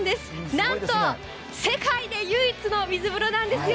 なんと世界で唯一の水風呂なんですよ。